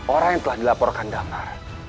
orang yang telah dilaporkan damai